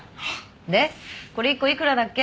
でこれ１個いくらだっけ？